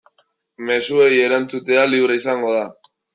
Mezuei erantzutea libre izango da.